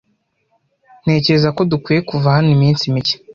Ntekereza ko dukwiye kuva hano iminsi mike.